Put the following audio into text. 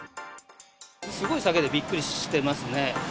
すごい下げでびっくりしてますね。